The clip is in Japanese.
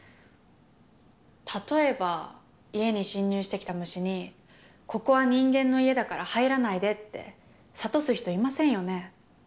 例えば家に侵入してきた虫に「ここは人間の家だから入らないで」って諭す人いませんよね？